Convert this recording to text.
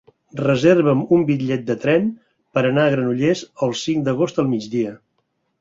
Reserva'm un bitllet de tren per anar a Granollers el cinc d'agost al migdia.